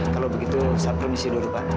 kalau begitu saya permisi dulu pak